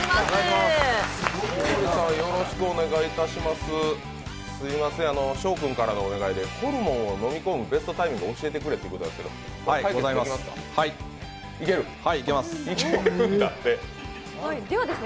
すみません、紫耀君からのお願いで、ホルモンを飲み込むベストタイミングを教えてくれということなんですけどはい、いけます。